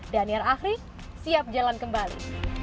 dan yang akhir siap jalan kembali